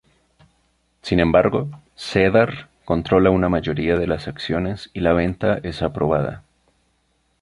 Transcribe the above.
Sin embargo, Cedar controla una mayoría de las acciones y la venta es aprobada.